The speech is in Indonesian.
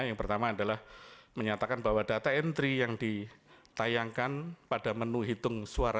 yang pertama adalah menyatakan bahwa data entry yang ditayangkan pada menu hitung suara